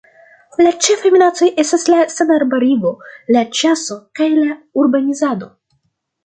La ĉefaj minacoj estas la senarbarigo, la ĉaso kaj la urbanizado.